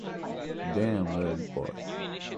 Damn that boy!